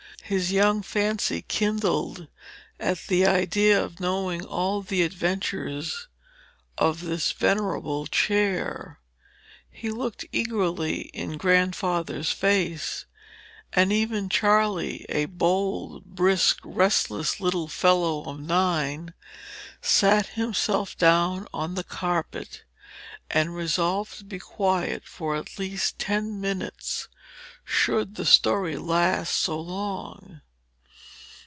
His young fancy kindled at the idea of knowing all the adventures of this venerable chair. He looked eagerly in Grandfather's face; and even Charley, a bold, brisk, restless little fellow of nine, sat himself down on the carpet, and resolved to be quiet for at least ten minutes, should the story last so long.